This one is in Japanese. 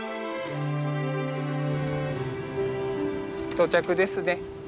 到着ですね。